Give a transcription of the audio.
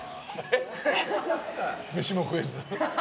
飯も食えず？